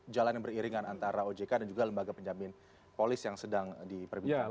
jalan yang beriringan antara ojk dan juga lembaga penjamin polis yang sedang diperbincangkan